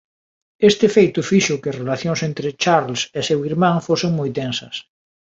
Este feito fixo que as relacións entre Charles e seu irmán fosen moi tensas.